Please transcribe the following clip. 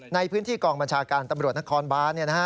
ในพื้นที่กองบัญชาการตำรวจนครบาน